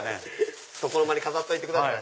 床の間に飾っといてください。